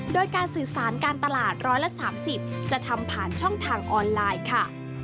โดยการสื่อสารการตลาด๑๓๐จะทำผ่านช่องทางออนไลน์ค่ะ